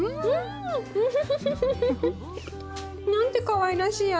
ウフフ！なんてかわいらしい味。